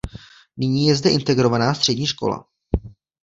Nyní je zde Integrovaná střední škola.